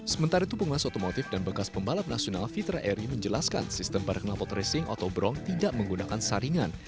sementara itu penguas otomotif dan bekas pembalap nasional fitra eri menjelaskan sistem para kenalpot racing otobron tidak menggunakan saringan